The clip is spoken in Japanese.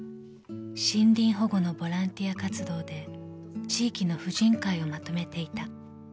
［森林保護のボランティア活動で地域の婦人会をまとめていた］